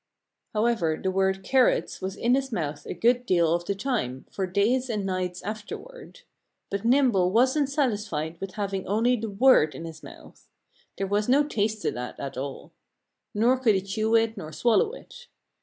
However, the word carrots was in his mouth a good deal of the time, for days and nights afterward. But Nimble wasn't satisfied with having only the word in his mouth. There was no taste to that at all. Nor could he chew it, nor swallow it.